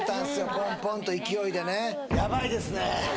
ポンポンと勢いでねきてますね